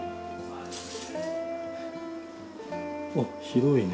あっ広いね。